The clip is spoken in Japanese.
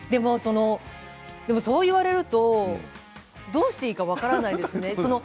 でも、そう言われるとどうしていいか分からないんですね。